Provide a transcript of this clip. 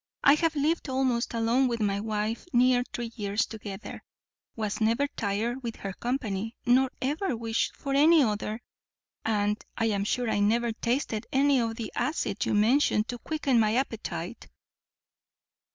I have lived almost alone with my wife near three years together, was never tired with her company, nor ever wished for any other; and I am sure I never tasted any of the acid you mention to quicken my appetite."